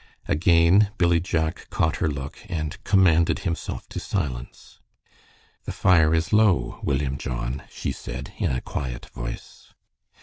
Again Billy Jack caught her look, and commanded himself to silence. "The fire is low, William John," she said, in a quiet voice.